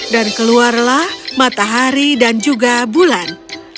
dan keluarlah matahari dan juga bulan